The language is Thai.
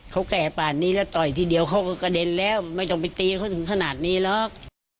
เขาแก่ป่านนี้แล้วต่อยทีเดียวเขาก็กระเด็นแล้วไม่ต้องไปตีเขาถึงขนาดนี้หรอก